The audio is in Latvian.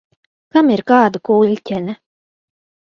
Kam ir kāda kuļķene?